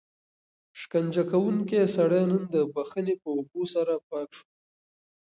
شکنجه کوونکی سړی نن د بښنې په اوبو سره پاک شو.